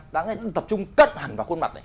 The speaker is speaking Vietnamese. đáng lẽ tập trung cất hẳn vào khuôn mặt này